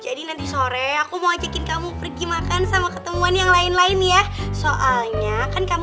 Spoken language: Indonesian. jadi nanti sore aku mau ajakin kamu pergi makan sama ketemuan yang lain lain ya soalnya kan kamu